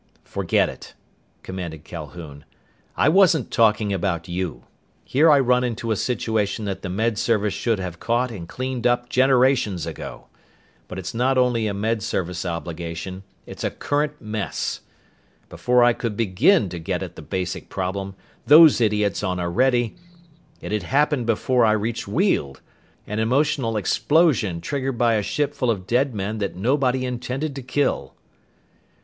"Forget it," commanded Calhoun. "I wasn't talking about you. Here I run into a situation that the Med Service should have caught and cleaned up generations ago! But it's not only a Med Service obligation; it's a current mess! Before I could begin to get at the basic problem, those idiots on Orede It'd happened before I reached Weald! An emotional explosion triggered by a ship full of dead men that nobody intended to kill."